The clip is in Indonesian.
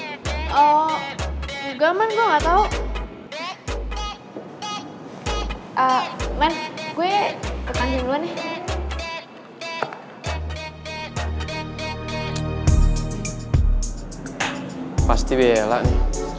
duga men ini aku nggak tau